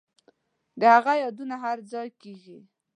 د هغه یادونه هرځای کیږي